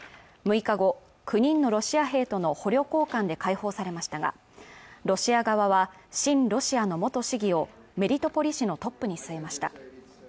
６日後９人のロシア兵との捕虜交換で解放されましたがロシア側は親ロシアの元市議をメリトポリ市のトップに据えました